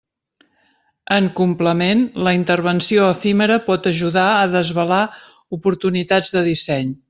En complement, la intervenció efímera pot ajudar a desvelar oportunitats de disseny.